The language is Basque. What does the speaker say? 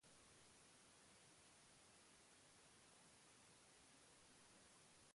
Herrietako osasun-zentro guztiak itxi zituzten.